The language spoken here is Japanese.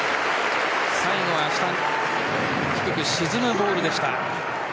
最後は下に低く沈むボールでした。